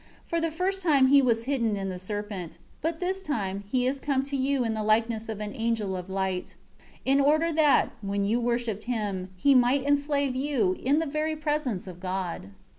For the first time, he was hidden in the serpent; but this time he is come to you in the likeness of an angel of light; in order that, when you worshipped him, he might enslave you, in the very presence of God."